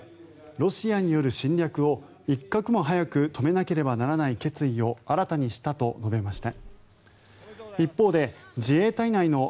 ロシアによる侵略を一刻も早く止めなければならない決意を新たにしたと述べました。